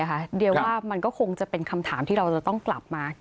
เดี๋ยวว่ามันก็คงจะเป็นคำถามที่เราจะต้องกลับมา